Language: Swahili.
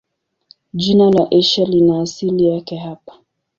Jina la Asia lina asili yake hapa.